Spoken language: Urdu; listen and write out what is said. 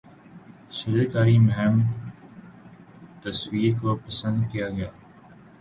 شجرکاری مہم تصاویر کو پسند کیا گیا